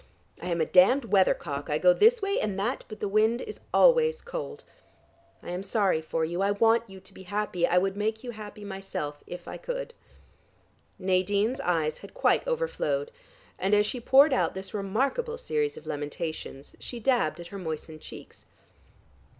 I am a damned weathercock. I go this way and that, but the wind is always cold. I am sorry for you, I want you to be happy, I would make you happy myself, if I could." Nadine's eyes had quite overflowed, and as she poured out this remarkable series of lamentations, she dabbed at her moistened cheeks.